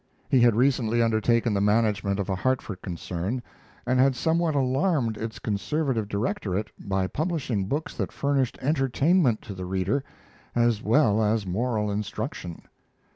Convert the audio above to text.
He had recently undertaken the management of a Hartford concern, and had somewhat alarmed its conservative directorate by publishing books that furnished entertainment to the reader as well as moral instruction.